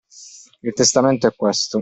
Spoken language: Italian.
Il testamento è questo!